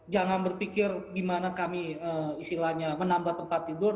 jangan berpikir gimana kami istilahnya menambah tempat tidur